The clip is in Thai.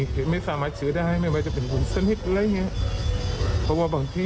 ทำไมเชื้อได้ไม่มีอะไรเงี้ยเพราะว่าบางที